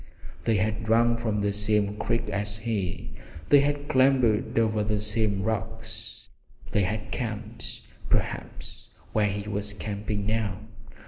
They had drunk from the same creek as he, they had clambered over the same rocks, they had camped perhaps where he was camping now!